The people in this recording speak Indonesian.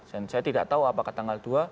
dan saya tidak tahu apakah tanggal dua